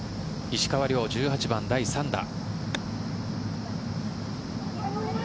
石川遼、１８番、第３打。